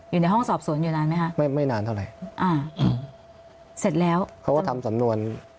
อยู่ในห้องสอบสวนอยู่นานไหมคะไม่ไม่นานเท่าไหร่อ่าเสร็จแล้วเขาก็ทำสำนวน